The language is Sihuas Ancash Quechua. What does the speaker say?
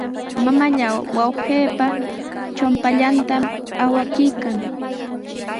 Mamallaa wawqiipa chumpallanta awakuykan.